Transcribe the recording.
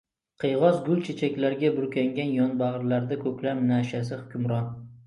Qiyg‘os gul-chechaklarga burkangan yonbag‘irlarda ko‘klam nash’asi hukmron.